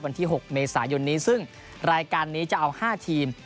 วันที่๖เมษายนนี้ซึ่งรายการนี้จะเอา๕ทีม